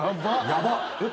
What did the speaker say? ヤバっ。